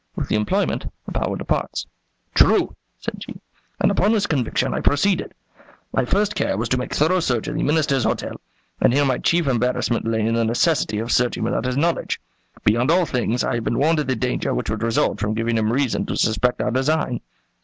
With the employment the power departs." "True," said G ; "and upon this conviction I proceeded. My first care was to make thorough search of the Minister's hotel; and here my chief embarrassment lay in the necessity of searching without his knowledge. Beyond all things, I have been warned of the danger which would result from giving him reason to suspect our design."